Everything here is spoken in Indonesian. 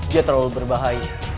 dia terlalu berbahaya